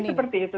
jadi seperti itu